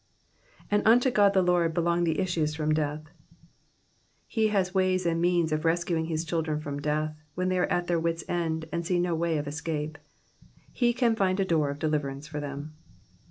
^''And unto Ood the Lord belong the issues from death.''' He has ways and means of rescuing his children from death : when they are at their wit's end, and see no way of escape, he can find a door of deliverance for them.